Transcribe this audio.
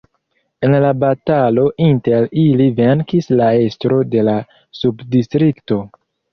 En la batalo inter ili venkis la estro de la subdistrikto.